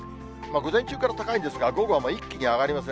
午前中から高いですが、午後は一気に上がりますね。